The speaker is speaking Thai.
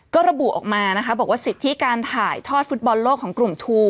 ก็ระบุออกมานะคะบอกว่าสิทธิการถ่ายทอดฟุตบอลโลกของกลุ่มทู